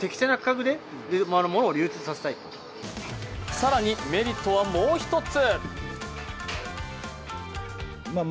更に、メリットはもう一つ。